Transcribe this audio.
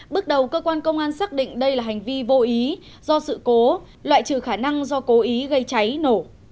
bước đầu cơ quan công an xác định đây là hành vi vô ý do sự cố loại trừ khả năng do cố ý gây cháy nổ